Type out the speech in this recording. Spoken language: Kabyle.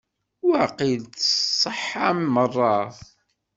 Waqil tṣeḥḥam merra.